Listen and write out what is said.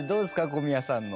小宮さんの。